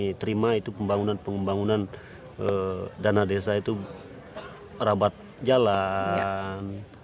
dan sementara ini kami terima itu pembangunan pembangunan dana desa itu rabat jalan